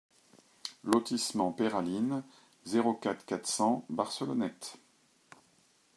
Lotissement Peyralines, zéro quatre, quatre cents Barcelonnette